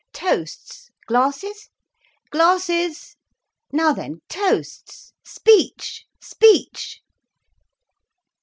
Toasts—glasses, glasses—now then, toasts! Speech! Speech!"